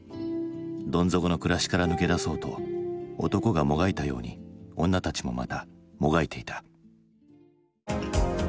どん底の暮らしから抜け出そうと男がもがいたように女たちもまたもがいていた。